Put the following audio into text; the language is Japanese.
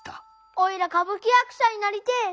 おいら歌舞伎役者になりてえ。